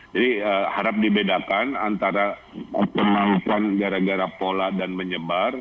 jadi harap dibedakan antara penampuan gara gara pola dan menyebar